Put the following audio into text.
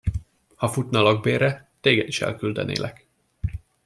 Ha futna a lakbérre, téged is elküldenélek.